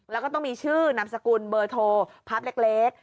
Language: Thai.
แล้วก็ต้องมีชื่อนามสกุลเบอร์โทรภาพเล็ก